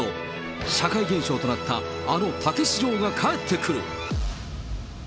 社会現象となったあのたけし城が帰ってくる。